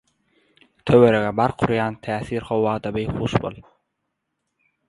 töwerege bark urýan täsin howadan beýhuş bol